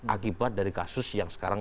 akibat dari kasus yang sekarang